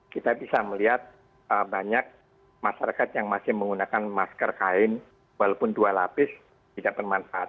kita bisa melihat banyak masyarakat yang masih menggunakan masker kain walaupun dua lapis tidak bermanfaat